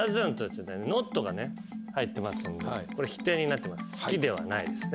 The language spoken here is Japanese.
’ｔ「ｎｏｔ」が入ってますんでこれ否定になってます。